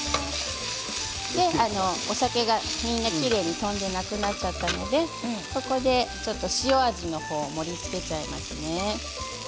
お酒が、みんなきれいに飛んでなくなっちゃったのでここで、ちょっと塩味の方を盛りつけちゃいますね。